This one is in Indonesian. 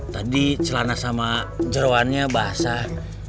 tadi celana sama jeruannya basah